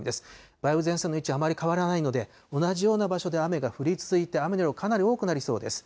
梅雨前線の位置、あまり変わらないので、同じような場所で雨が降り続いて雨の量、かなり多くなりそうです。